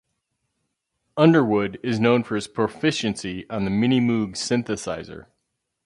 Underwood is known for his proficiency on the Minimoog synthesizer.